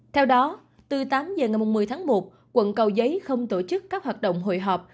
theo đó từ tám h ngày một mươi tháng một quận cầu giấy không tổ chức các hoạt động hội họp